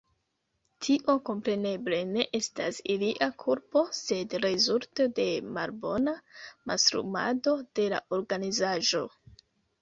Tio, kompreneble, ne estas ilia kulpo, sed rezulto de malbona mastrumado de la organizaĵo.